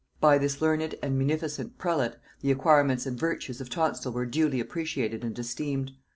By this learned and munificent prelate the acquirements and virtues of Tonstal were duly appretiated and esteemed.